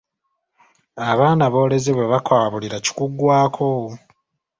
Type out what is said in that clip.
Abaana b’oleze bwe bakwabulira kikuggwaako.